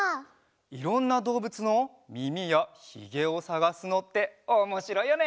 いろんなどうぶつのみみやひげをさがすのっておもしろいよね！